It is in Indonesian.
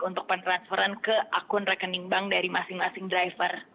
untuk pen transferan ke akun rekening bank dari masing masing driver